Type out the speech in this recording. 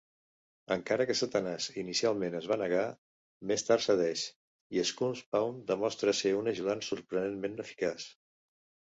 Encara que Satanàs inicialment es va negar, més tard cedeix, i Scumspawn demostra ser un ajudant sorprenentment eficaç.